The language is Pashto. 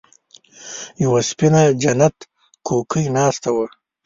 يوه سپينه جنت کوکۍ ناسته وه.